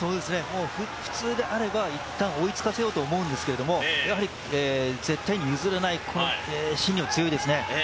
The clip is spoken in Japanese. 普通であればいったん追いつかせようと思うんですけど絶対に譲らない、芯が強いですね。